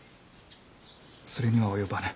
それには及ばぬ。